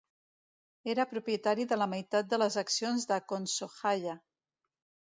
Era propietari de la meitat de les accions de Konsojaya.